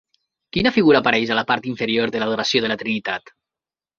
Quina figura apareix a la part inferior de l'Adoració de la Trinitat?